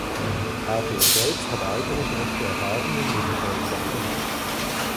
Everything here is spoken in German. Auch er selbst hat eigene schlechte Erfahrungen mit der Polizei gemacht.